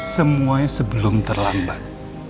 semuanya sebelum terlambat